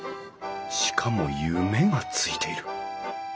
しかも「夢」がついている。